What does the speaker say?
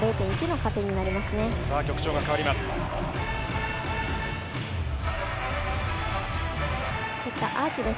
さあ、曲調が変わります。